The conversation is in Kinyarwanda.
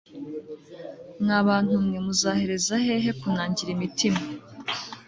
mwa bantu mwe, muzahereza hehe kunangira imitima